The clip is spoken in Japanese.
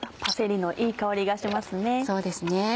パセリのいい香りがしますね。